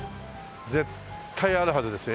絶対あるはずですよ